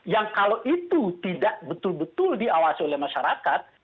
yang kalau itu tidak betul betul diawasi oleh masyarakat